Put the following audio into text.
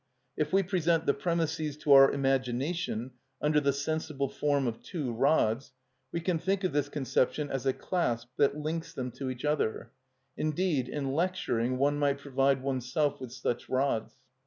If we present the premisses to our imagination under the sensible form of two rods, we can think of this conception as a clasp that links them to each other; indeed in lecturing one might provide oneself with such rods.